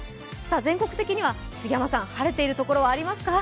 全国的には晴れているところはありますか？